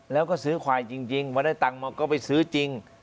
แล้วก็ซื้อควายจริงพอได้ตังค์มาก็ไปซื้อจริง